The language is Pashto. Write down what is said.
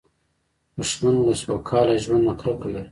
دښمن له سوکاله ژوند نه کرکه لري